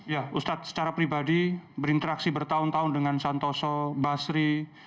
ya ustadz secara pribadi berinteraksi bertahun tahun dengan santoso basri